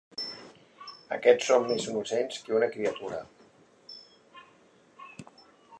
Aquests són més innocents que una criatura.